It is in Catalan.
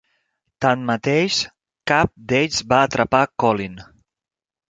Tanmateix, cap d'ells va atrapar Colin.